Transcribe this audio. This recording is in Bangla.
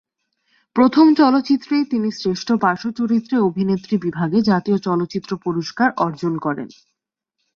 প্রথম চলচ্চিত্রেই তিনি শ্রেষ্ঠ পার্শ্বচরিত্রে অভিনেত্রী বিভাগে জাতীয় চলচ্চিত্র পুরস্কার অর্জন করেন।